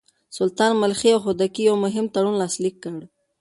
سلطان ملخي او خودکي يو مهم تړون لاسليک کړ.